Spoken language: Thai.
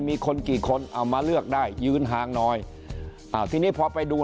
มีคนกี่คนเอามาเลือกได้ยืนห่างหน่อยอ่าทีนี้พอไปดู